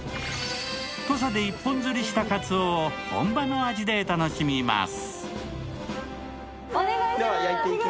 土佐で一本釣りしたカツオを本場の味で楽しみます。